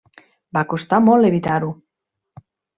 Va costar molt evitar-ho.